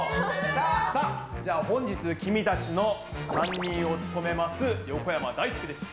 さあじゃ本日君たちの担任を務めます横山だいすけです。